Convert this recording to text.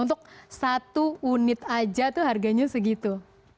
untuk satu unit aja itu harganya segitu